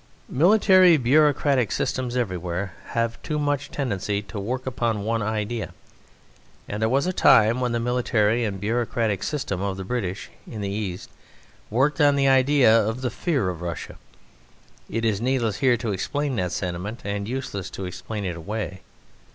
Military bureaucratic systems everywhere have too much tendency to work upon one idea, and there was a time when the military and bureaucratic system of the British in the East worked on the idea of the fear of Russia. It is needless here to explain that sentiment, and useless to explain it away.